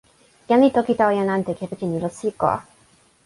jan li toki tawa jan ante kepeken ilo Siko